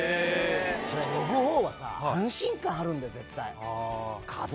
そりゃ呼ぶ方はさ安心感あるんだよ絶対。